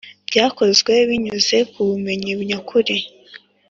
Byakozwe binyuze ku bumenyi nyakuri